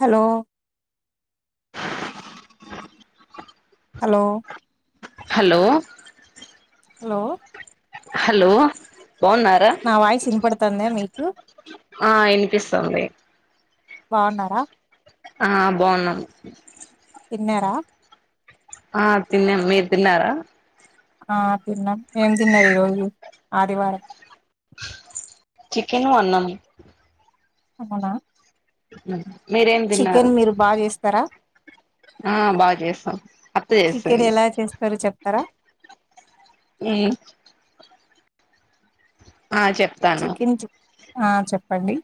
Hello. Hello. Hello. Hello. Hello. బాగున్నారా? నా voice ఇంనపడతంద మీకు. ఆ ఇనిపిస్తుంది. బాన్నారా. ఆ బావున్నాం. తిన్నారా. ఆ తిన్నాం మీరు తిన్నారా. ఆ తిన్నాం ఏం తిన్నారు ఈ రోజు ఆదివారం. చికెను అన్నాం. అవునా. మీరేం దిన్నారు. చికెన్ మీరు బాగా చేస్తారా ఆ బాగా జేస్తాం అత్త జేసింది. అత్తారా. ఉమ్. ఆ చెప్తాను. చికెన్ చి- ఆ చెప్పండి.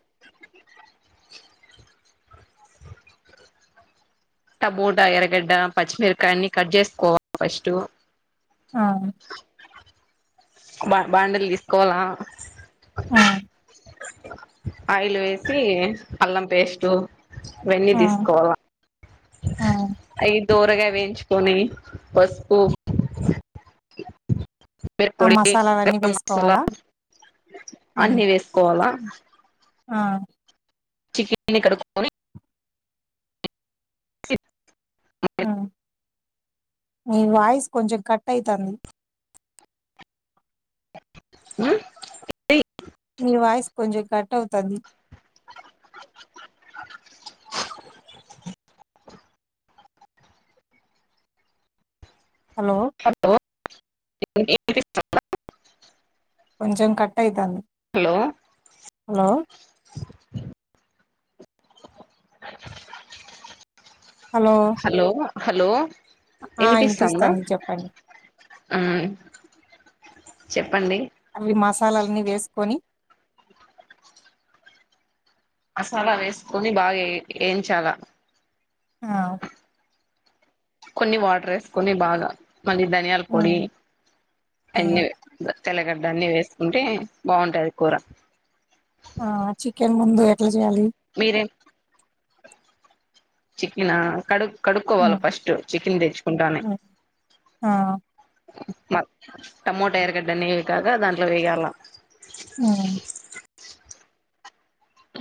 టమోటా ఎర్రగడ్డ పచ్చిమిరకాయ అన్ని కట్ చేసుకోవాలి ఫస్టు. ఆ. బా బాండిల్ తీసుకోవాలా. ఉమ్. ఆయిల్ వేసి ఇ అల్లం పేస్ట్. వెన్నీ ఆ తీసుకోవాల ఆ ఐ. తోరగా వేయించుకొని పసుపు. మిరప్ ఆ పొడి మసాలాలన్నీ గరం మసాలా వేసుకోవాలా ఆ అన్నీ వేసుకోవాలా. ఆ. చికీన్నీ కడుక్కకొని. కీత్. మీ వాయిస్ కొంచం కట్ అయితంది. ఉమ్ ఇది. నీ వయిస్ కొంచం కట్ అవుతంది. హలో. ఇనిపిస్తందా కొంచం కట్టాయితాంది హలో హలో హలో ఆ ఇనిపిస్తాందా వినిపిస్తుంది చెప్పండి మ్ చెప్పండి సాలల్ని వేసుకొని మసాలా వేసుకొని బాగా ఎ వేయించాలా ఆ కొన్ని వాటర్ వేసుకొని బాగా మళ్ళీ ధనియాల ఆ పొడి అన్నీ తెల్లగడ్డ అన్ని వేసుకుంటే బాగుంటాది కూర ఆ చికెన్ ముందు ఎట్లా చేయాలి మీరే చీకేనా కడుగ్ ఆ కడుక్కోవాల ఫస్ట్ చికెన్ తెచ్చుకుంటానే ఆ మ టమోటా ఎర్రగడ్డనే కదా దాంట్లో ఎగాల అ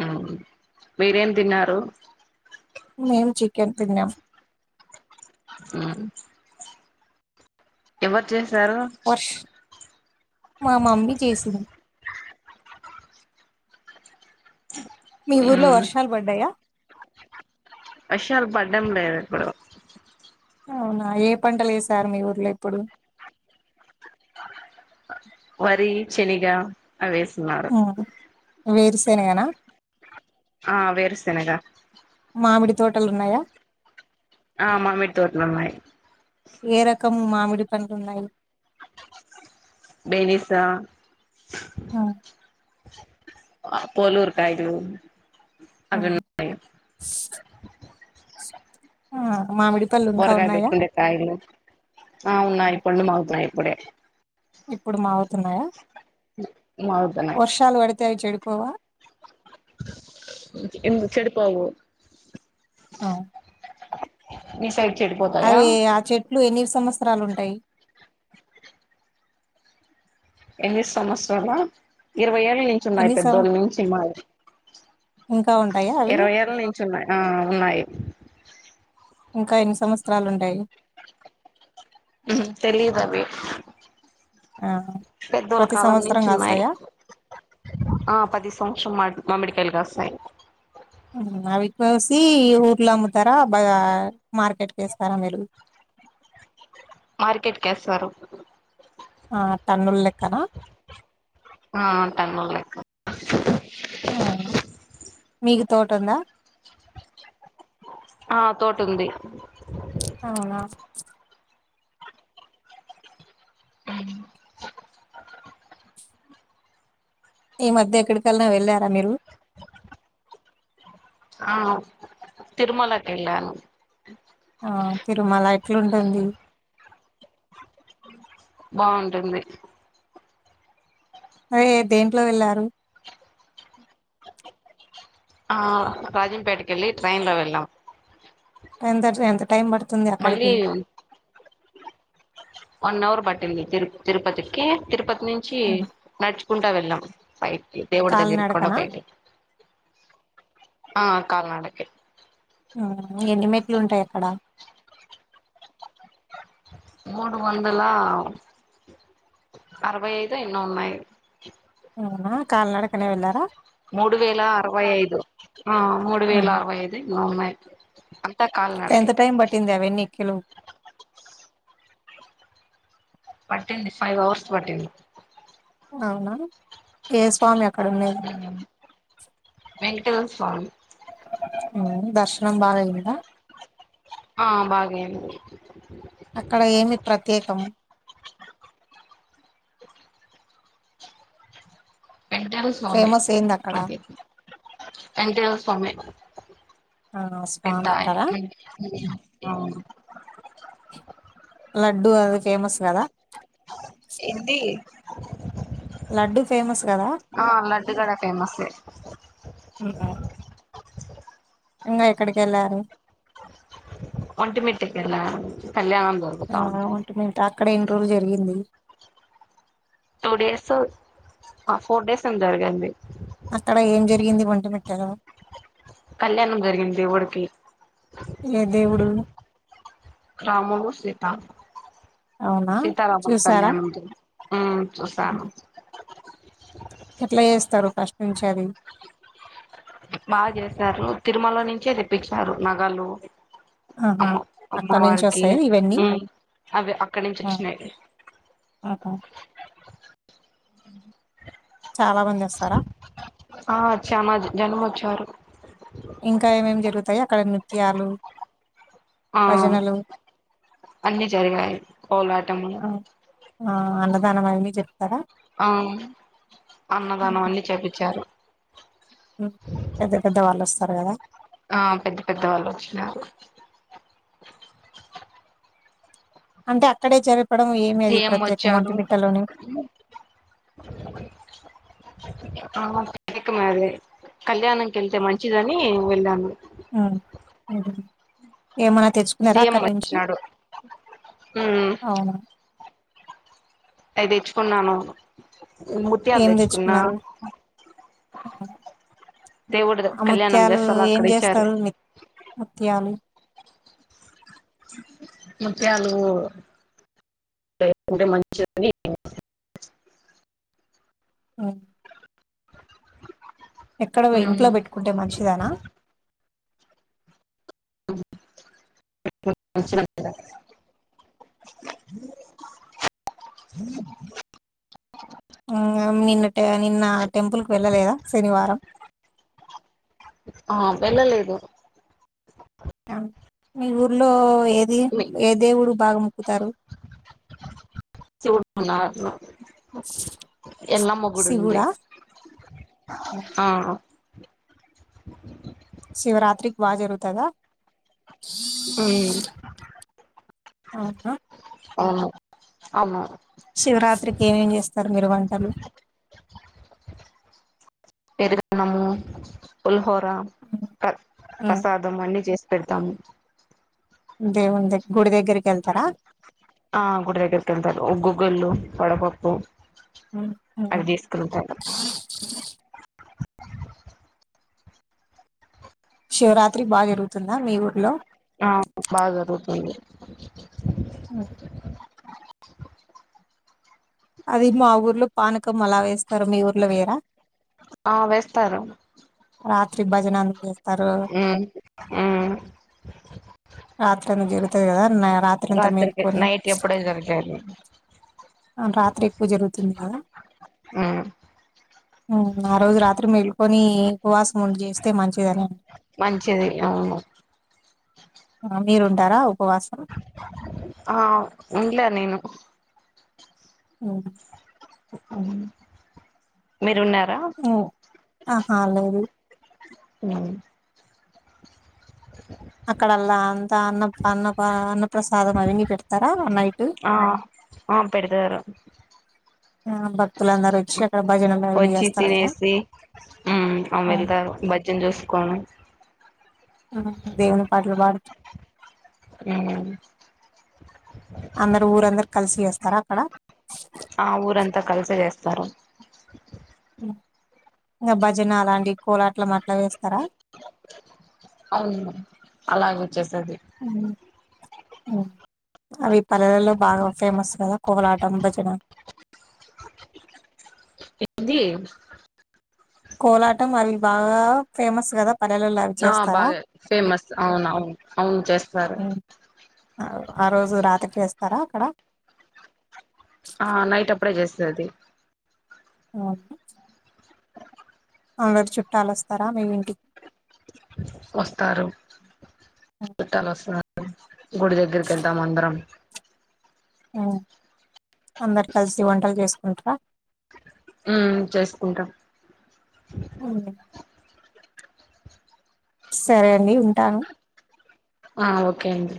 మ్ మీరేం తిన్నారు మేం చికెట్ తిన్నాం మ్ ఎవర్ చేసారు వర్ష్ మా మమ్మీ చేసింది మీ ఊర్లో వర్షాలు బడ్డాయా వర్షాలు పడ్డం లేదు ఇప్పుడు అవునా ఏ పంటలు ఏసారు మీ ఊర్లో ఇప్పుడు వరి శనిగ అవేసున్నారు వేరుసెనగనా ఆ వేరు సెనగా మామిడి తోటలున్నాయా ఆ మామిడితోట్లున్నయ్ ఏ రకము మామిడి పండ్లున్నాయి బేబీసా అ ఆ పోలూరు కాయిలు అ అ మామిడిపళ్ళు ఇంకా బొరగాయ ఉన్నాయా పెట్టుకుండే కాయలు ఆ ఉన్నాయి పండ్లు మాగుతున్నాయి ఇప్పుడే ఇప్పుడు మాగుతున్నాయా మాగుతున్నాయ్ త్ అయ్ చెడిపోవా మ్ చెడిపోవు అవ్ మీ సైడ్ చెడిపోతాయా ట్లు ఎన్ని సంవత్సరాలు ఉంటాయి ఎనిమిడి సంవత్సరాల ఇరవై ఏండ్ల నుంచి ఉన్నాయి పెద్దోళ్ళ నుంచి మాయ్ ఇంక్ ఇరవై ఏండ్ల నుంచి ఉన్నాయి ఆ ఉన్నాయి ఇంకా ఎన్ని సంవత్సరాలు ఉంటాయ్ ఉహు తెలిదు అవి ఆ పెద్దోళ్ళ ప్రతి కాలం సంవత్సరం నుంచి ఉన్నాయి కాస్తాయా? ఆ పది సంవత్సరం మాటు మామిడికాయలు కాస్తయ్ అవి పోసి ఊర్లో అమ్ముతారా బా మార్కెట్కేస్తారా మీరు మార్కెట్కేస్తారు ఆ టన్నులేక్కనా ఆ టన్నులెక్క అవునా మీకు తోటుందా ఆ తోటుంది అవునా ఈ మధ్య ఎక్కడికాల్నా వెళ్ళారా మీరు తిరుమలకెళ్ళాను ఆ తిరుమల ఎట్లుంటుంది బాగుంటుంది అదే దేంట్లో వెళ్లారు ఆ రాజంపేటకెళ్ళి ట్రైన్ లో వెళ్ళాం ఎంత ట్రై ఎంత టైం పడుతుంది మళ్ళీ అక్కడికి వన్ అవర్ పట్టింది తిరు తిరుపతికి తిరుపతి నుంచి హ్మ్ నడుచుకుంటా వెళ్ళాం పై కీ దేవుడు దగ్గరికి కొండ కాలినడకనా? పైకి ఆ కాలి నడకే ఆ ఎన్ని మెట్లు ఉంటాయి అక్కడ మూడు వందలా అరవై ఐదో ఎన్నో ఉన్నాయి అవునా కాలినడకనే వెళ్ళారా మూడు వేల అరవై ఐదు ఆ మూడు వేల ఆహా అరవై ఐదు ఏమోన్నాయి తా కాలినడకే కిందవన్ని ఎక్కే లో పట్టింది ఫైవ్ అవర్స్ పట్టింది అవునా ఏ స్వామి అక్ వెంకటేశ స్వామి అ దర్శనం బాగైయిందా ఆ బాగైయింది అక్కడ ఏమి ప్రత్యేకం వేంకటేశ్వర స్వామే ఫేమస్ ఏంది అక్కడ ప్రత్యేకం వేంకటేశ్వర స్వామే ఆ స్వామి ఎంటా ఉంటారా [unintelligible] అవును లడ్డు అది ఫేమస్ కదా ఇంది లడ్డు ఫేమస్ కదా ఆ లడ్డుగాడ ఫేమస్సె ఉ ఇంగా ఎక్కడికెళ్ళారు ఒట్టిమిట్ట కెల్లా ఆ ఒట్టిమిట్ట అక్కడ ఎన్ని రోజులు జరిగింది టూ డేస్ ఫోర్ డేస్ ఏ జరగాడి అక్కడ ఏం జరిగింది వంట పెట్టార కళ్యాణం జరిగింది దేవునికి ఏ దేవుడు రాముడు సీత అవునా సీతారాముల చూసారా కళ్యాణ ఊ చూసాను ఎట్లా చేస్తారు ఫస్ట్ నుంచి అది బాగా చేస్తారు తిరుమల నుంచే తెప్పించినారు నగలు ఆహా అమ్మ అక్కడ నుంచి అమ్మవారికి వస్తాయా ఇవన్నీ ఊ అవి అక్కడి నుంచి వచ్చినాయి ఆహా చాలా మంది వస్తారా ఆ వచ్చారు జనం వచ్చారు ఇంకా ఏమేం జరుగుతాయి అక్కడ నృత్యాలు ఆ భజనలు అన్ని జరిగాయి పోలాటములు ఆ అన్నదానమూ అన్ని జరిగాయి ఆ అన్నదానం అన్ని చపించారు ఉ పెద్ద పెద్ద వాళ్ళు వస్తారు కదా ఆ పెద్ద పెద్ద వాళ్ళు వచ్చినారు అంటే అక్కడే జరిపు చెప్పడం ఏమి లేదు సీఎం ప్రత్యేక వచ్చారు ఒటిమిట్టలోని ఆ ఎక్కు మరి కళ్యాణానికి వెళ్తే మంచిదని వెళ్ళాను ఆ సరే ఏ ఏమన్నా తెచ్చుకున్నారా సీఎం అక్కడి నుంచి వచ్చినాడు ఉమ్ అవును అయి తెచ్చుకున్నాను ముత్యాలు తెచ్చుకున్నా ఆ హా దేవుడు ఆ కళ్యాణం ముత్యాలు చేస్తాలా ఏం అక్కడ ఇచ్చారు చేస్తారు మీరు ముత్యాలు ముత్యాలు ఇప్పుడే మంచిగా అయ్యింది ఆ ఎక్కడ ఇంట్లో పెట్టుకుంటే మంచిదానా ఉ ఇప్పుడు పెట్టుకుంటే మంచిది ఆ ఉ నిన్న టెంపుల్ కి వెళ్ళలేదా శనివారం ఆ వెళ్ళలేదు మీ ఊర్లో ఏది మీ ఏ దేవుడు బాగా మొక్కుతారు శివుడు ఉన్నారు ఎల్లమ్మ గుడి ఉంది శివుడా ఉమ్. ఆ ఉ శివరాత్రికి బాగా జరుగుతదా ఉ అవునా అవును శివరాత్రికి ఏమేం చేస్తారు మీరు వంటలు పెరుగన్నం పులిహోర ప్రసాదం అన్ని చేసి పెడతాము దేవుడు దగ్గరికి గుడి దగ్గరికి వెళ్తారా ఆ గుడి దగ్గరికి ఉగుగుల్లు వడపప్పు అవి చేసుకుంటారు శివరాత్రి బాగా జరుగుతుందా మీ ఊర్లో ఆ బాగా జరుగుతుంది అది మా ఊర్లో పానకం అలా వేస్తారు మీ ఊర్లో వేయరా ఆ వేస్తారు రాత్రి భజనాలు చే ఉ ఆ రాత్రి అంత జరుగుతది కదా రాత్రి అంతా మేల్కొని నైట్ ఎప్పుడే జరిగేది రాత్రి ఎక్కువ జరుగుతుంది కదా మ్మ్ ఆ రోజు రాత్రి మేలు కొని ఉపవాసం ఉండి చేస్తే మంచిదని మంచిది అవును మీరుంటారా ఉపవాసం ఆ ఉండ్లే నేను అ మీరు ఉన్నార ఆహా లేదు అ అక్కడలా అంతా అన్న అన్న అన్న ప్రసాదం అవన్నీ పెడతారా నైట్ ఆ ఆ పెడితారు ఆ భక్తులందరూ వచ్చి అక్కడ భజ వచ్చి తినేసి అ వెళ్తారు భజనా చూసుకోని దేవుని పాటలు పాడు అ అందరు ఊరందరు కలిసి చేస్తారా అక్కడ ఆ ఊరంతా కలిసి చేస్తారు ఇంకా భజన అలాంటి కోలాట్లామ్ అట్లా వేస్తారా అవును అలాగ వచ్చేస్తది అ అవి పల్లెలలో బాగా ఫేమస్ కదా కోలాటం భజన హిందీ కోలాటం అవి బాగా ఫేమస్ కదా పల్లెలలో అవి ఆ చేస్తారా బాగా ఫేమస్ అవును అవును అవును చేస్తారు ఆ రోజు రాత్రికేస్తారా అక్కడ ఆ నైట్ అప్పుడే చేస్తది అఓ అందరు చుట్టాలొస్తారా మీ ఇంటికి వస్తారు చుట్టాలు వస్తారు గుడి దగ్గరికి వెళ్తాం అందరం అందరు కలిసి వంటలు చేసుకుంటారా ఆ చేసుకుంటాం అవును సరే అండి ఉంటాను ఆ ఓకే అండి